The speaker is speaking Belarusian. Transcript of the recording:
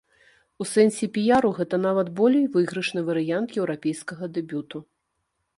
У сэнсе піяру гэта нават болей выйгрышны варыянт еўрапейскага дэбюту.